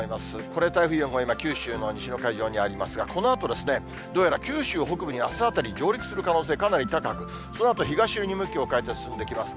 これ、台風４号、今、九州の西の海上にありますが、このあと、どうやら九州北部にあすあたり、上陸する可能性、かなり高く、そのあと、東寄りに向きを変えて進んできます。